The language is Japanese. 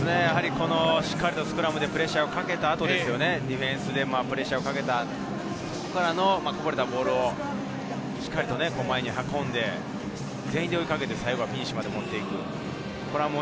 しっかりとスクラムでプレッシャーをかけた後ですよね、ディフェンスでプレッシャーをかけた。からの、こぼれたボールをしっかりと前に運んで、全員で追いかけて、最後は持っていく。